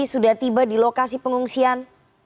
sudah tiba di lokasi pengungsian